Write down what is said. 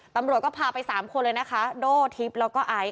ตำรวจก็พาไป๓คนเลยนะคะโด่ทิพย์แล้วก็ไอซ